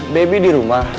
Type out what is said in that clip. baby di rumah